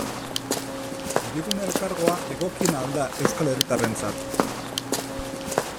Hirigune Elkargoa egokiena al da euskal herritarrentzat?